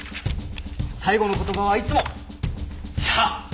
最後の言葉はいつも「さぁ」。